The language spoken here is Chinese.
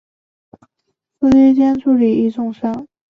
司机兼助理亦重伤。